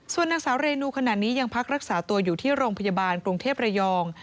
ส่วนนางสาวเรนูขณะนี้ยังพักรักษาตัวอยู่ที่โรงพยาบาลกรุงเทพระยอง